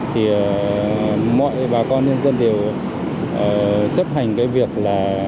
thì mọi bà con nhân dân đều chấp hành cái việc là